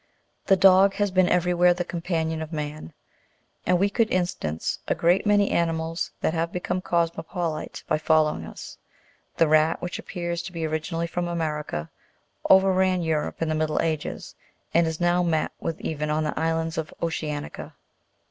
The dog has been everywhere the companion of man, and we could instance a great many ani mals that have become cosmopolite by following us; the rat, which appears to be originally from America, overran Europe in the middle ages, and is now met with even on the islands of Ocea'nica.